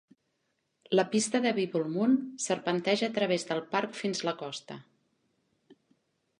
La pista de Bibbulmun serpenteja a través del parc fins la costa.